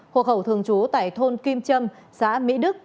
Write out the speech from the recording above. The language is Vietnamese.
hộ khẩu thường trú tại thôn kim trâm xã mỹ đức